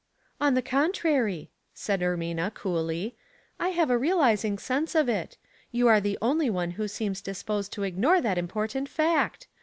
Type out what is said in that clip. '' On the contrary," said Ermina, coolly, " I have a realizing sense of it; you are the only one who seems disposed to ignore that important fact.